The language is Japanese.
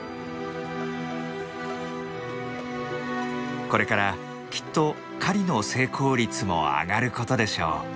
これからきっと狩りの成功率も上がることでしょう。